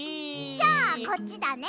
じゃあこっちだね！